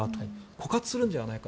枯渇するんじゃないか。